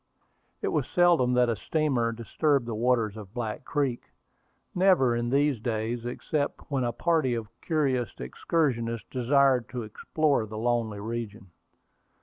It was seldom that a steamer disturbed the waters of Black Creek, never in these days, except when a party of curious excursionists desired to explore the lonely region.